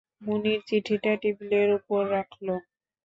মুনির চিঠিটা টেবিলের উপর রাখল।